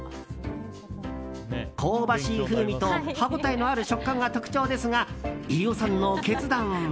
香ばしい風味と歯応えのある食感が特徴ですが飯尾さんの決断は。